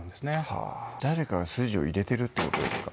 はぁ誰かが筋を入れてるってことですか？